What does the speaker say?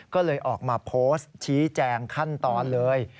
ก็เลยออกมาโพสต์ชี้แจงขั้นตอนเลย